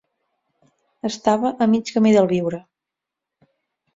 Estava a mig camí del viure